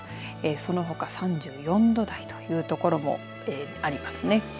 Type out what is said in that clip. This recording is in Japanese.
そのほか３４度台というところもありますね。